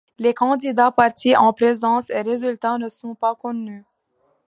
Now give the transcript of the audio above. Les candidats, partis en présence et résultats ne sont pas connus.